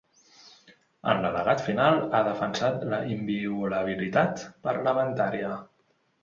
En l’al·legat final, ha defensat la inviolabilitat parlamentària.